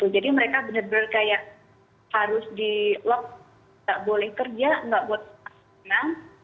jadi mereka benar benar kayak harus di lock gak boleh kerja gak buat senang